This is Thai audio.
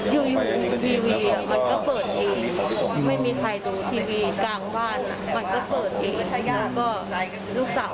แต่คนโตนอนกับย้าอาเอก